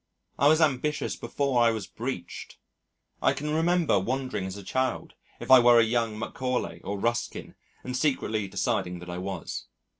I was ambitious before I was breeched. I can remember wondering as a child if I were a young Macaulay or Ruskin and secretly deciding that I was.